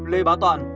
lê bá toàn